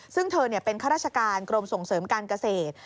ซึ่งเธอเป็นข้าราชการกรมส่งเสริมการเกษตร